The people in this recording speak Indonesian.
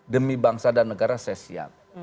demi bangsa dan negara saya siap